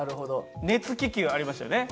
熱気球ありましたよね。